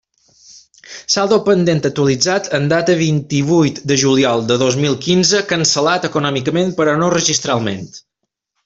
Saldo pendent actualitzat en data vint-i-vuit de juliol de dos mil quinze: cancel·lat econòmica però no registralment.